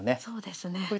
そうですね。